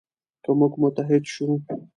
که موږ متحد شو.